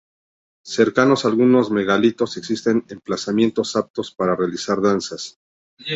Cercanos a algunos megalitos existen emplazamientos aptos para realizar danzas.